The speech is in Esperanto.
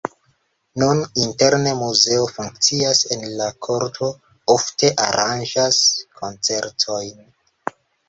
Nun interne muzeo funkcias, en la korto ofte aranĝas koncertojn.